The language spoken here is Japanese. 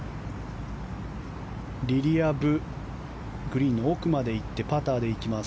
リリア・ブグリーンの奥まで行ってパターでいきます。